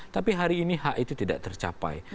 tapi hari ini hak itu tidak tercapai